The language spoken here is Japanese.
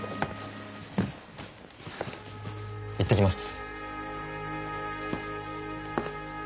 行ってきます。